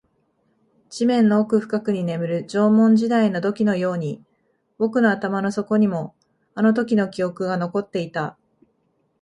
地面の奥深くに眠る縄文時代の土器のように、僕の頭の底にもあのときの記憶が残っていた